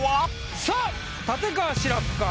さあ立川志らくか？